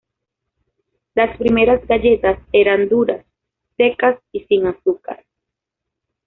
Las primeras galletas eran duras, secas y sin azúcar.